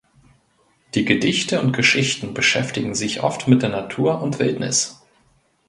Die Gedichte und Geschichten beschäftigten sich oft mit der Natur und Wildnis.